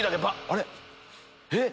あれ⁉えっ？